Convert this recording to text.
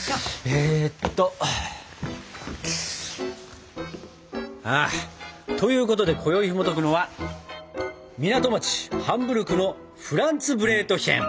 えっと。ということでこよいひもとくのは「港町ハンブルクのフランツブレートヒェン」。